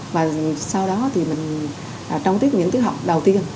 và sau đó thì mình trông tiếc những tiếng học đầu tiên